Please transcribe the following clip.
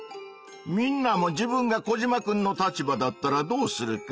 みんなも自分がコジマくんの立場だったらどうするか。